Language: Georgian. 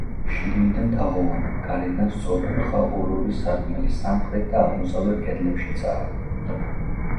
შიგნიდან თაღოვანი, გარედან სწორკუთხა ორ-ორი სარკმელი სამხრეთ და დასავლეთ კედლებშიცაა.